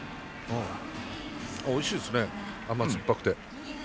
おいしいですね甘酸っぱくて。